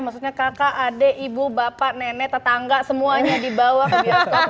maksudnya kakak adik ibu bapak nenek tetangga semuanya dibawa ke biasa